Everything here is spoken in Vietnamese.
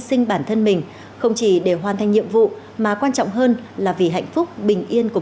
sinh bản thân mình không chỉ để hoàn thành nhiệm vụ mà quan trọng hơn là vì hạnh phúc bình yên của